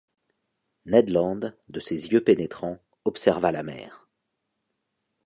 Ned Land, de ses yeux pénétrants, observa la mer.